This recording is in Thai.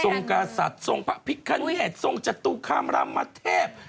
กษัตริย์ทรงพระพิคเนตทรงจตุคามรามเทพ